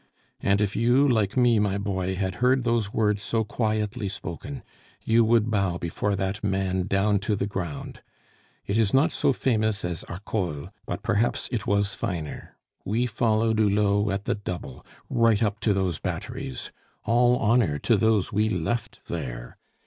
"And if you, like me, my boy, had heard those words so quietly spoken, you would bow before that man down to the ground! It is not so famous as Arcole, but perhaps it was finer. We followed Hulot at the double, right up to those batteries. All honor to those we left there!"